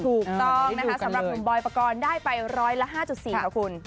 ถูกต้องนะคะสำหรับหนุ่มบอยปกรณ์ได้ไปร้อยละ๕๔ค่ะคุณ